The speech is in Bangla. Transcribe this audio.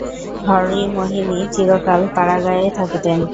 হরিমোহিনী চিরকাল পাড়াগাঁয়েই থাকিতেন।